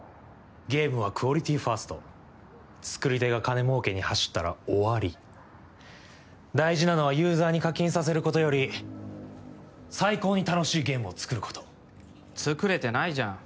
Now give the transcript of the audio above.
ゲームはクオリティファースト作り手が金儲けに走ったら終わり大事なのはユーザーに課金させることより最高に楽しいゲームを作ること作れてないじゃん